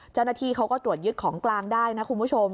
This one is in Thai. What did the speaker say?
เจ้าหน้าที่เขาก็ตรวจยึดของกลางได้นะคุณผู้ชม